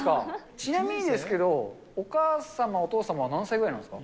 ちなみにですけど、お母様、お父様は何歳ぐらいなんですか？